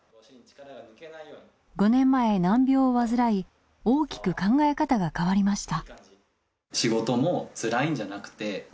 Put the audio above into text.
５年前難病を患い大きく考え方が変わりました。